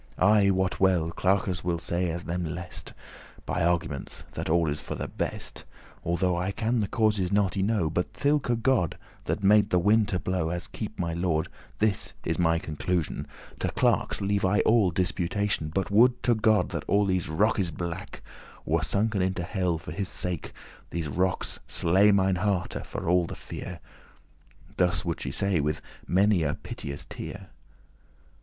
I wot well, clerkes will say as them lest,* *please By arguments, that all is for the best, Although I can the causes not y know; But thilke* God that made the wind to blow, *that As keep my lord, this is my conclusion: To clerks leave I all disputation: But would to God that all these rockes blake Were sunken into helle for his sake These rockes slay mine hearte for the fear." Thus would she say, with many a piteous tear.